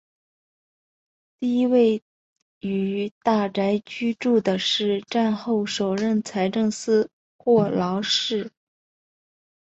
第一位于大宅居住的是战后首任财政司霍劳士。